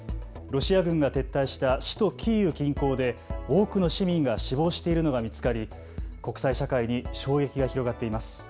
ロシア軍が撤退した首都キーウ近郊で多くの市民が死亡しているのが見つかり国際社会に衝撃が広がっています。